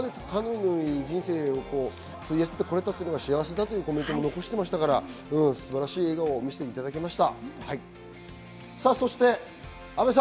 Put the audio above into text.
カヌーに人生を費やしてくれたということは幸せだというコメントも残していました、素晴らしい笑顔を見せていただきました。